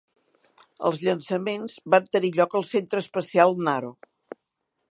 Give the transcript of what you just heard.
Els llançaments van tenir lloc al Centre Espacial Naro.